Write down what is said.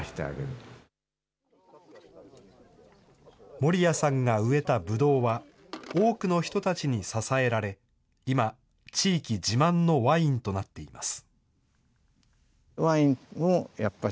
森谷さんが植えたブドウは、多くの人たちに支えられ、今、地域自慢のワインとなっています。